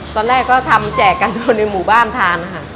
ตอนแรกก็ทำแจกกันตัวในหมู่บ้านทาน